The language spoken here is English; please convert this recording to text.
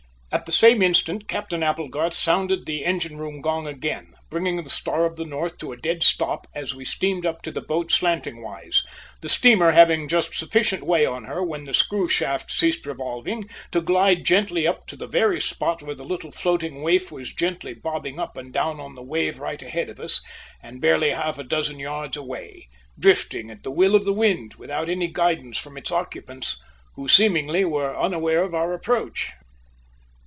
At the same instant Captain Applegarth sounded the engine room gong again, bringing the Star of the North to a dead stop as we steamed up to the boat slanting wise, the steamer having just sufficient way on her when the screw shaft ceased revolving, to glide gently up to the very spot where the little floating waif was gently bobbing up and down on the wave right ahead of us, and barely half a dozen yards away, drifting, at the will of the wind, without any guidance from its occupants, who seemingly were unaware of our approach.